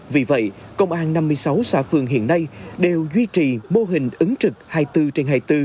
vì vậy công an năm mươi sáu xã phường hiện nay đều duy trì mô hình ứng trực hai mươi bốn trên hai mươi bốn